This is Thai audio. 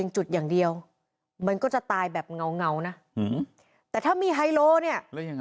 จุดอย่างเดียวมันก็จะตายแบบเงานะแต่ถ้ามีไฮโลเนี่ยแล้วยังไง